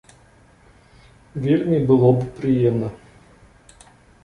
Вельмі было б прыемна.